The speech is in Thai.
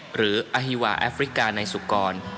หรืออฮิวาแอฟริกาในสุกร